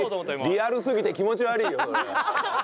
リアルすぎて気持ち悪いよそれ。